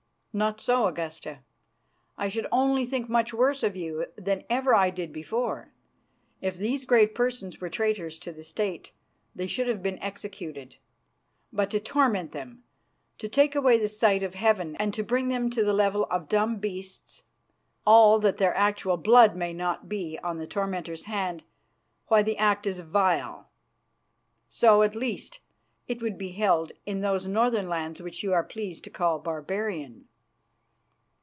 "Not so, Augusta. I should only think much worse of you than ever I did before. If these great persons were traitors to the State, they should have been executed. But to torment them, to take away the sight of heaven and to bring them to the level of dumb beasts, all that their actual blood may not be on the tormentors' hand why, the act is vile. So, at least, it would be held in those northern lands which you are pleased to call barbarian."